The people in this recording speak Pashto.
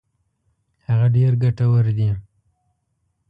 هغه ډېر ګټور دي.